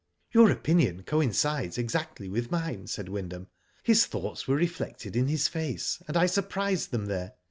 ''Your opinion coincides exactly with mine," said Wyndham. *' His thoughts were reflected in . his face, and I surprised them there.